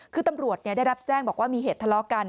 คือตำรวจได้รับแจ้งบอกว่ามีเหตุทะเลาะกัน